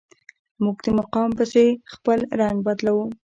موږ د مقام پسې خپل رنګ بدلوو.